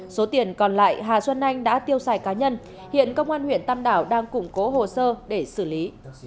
số tiền còn lại hà xuân anh đã tiêu xài cá nhân hiện công an huyện tam đảo đang củng cố hồ sơ để xử lý